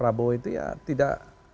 prabowo itu ya tidak